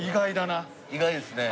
意外ですね。